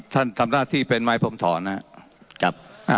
ท่านทำหน้าที่เป็นไม้พรมถอนนะครับ